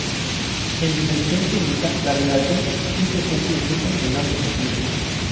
En dimensión finita, la relación sí se cumple siempre en ambos sentidos.